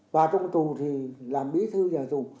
vào trong tù thì làm bí thư nhà tù